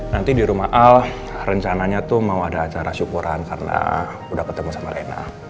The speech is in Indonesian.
nanti di rumah al rencananya tuh mau ada acara syukuran karena udah ketemu sama lena